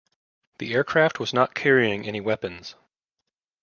The aircraft was not carrying any weapons.